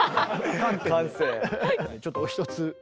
ちょっとお一つ。